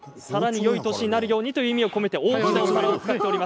さらによい年になるようにという意味を込めて。